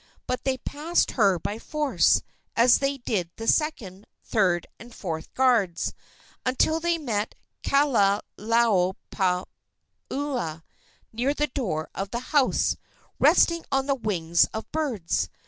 But they passed her by force, as they did the second, third and fourth guards, until they met Kahalaomapuana near the door of the house, resting on the wings of birds.